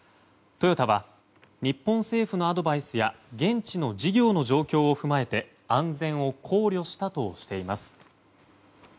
トヨタは日本政府のアドバイスや現地の事業の状況を踏まえて安全を考慮したとしています。